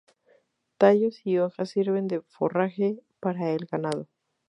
Tallos y hojas sirven de forraje para el ganado.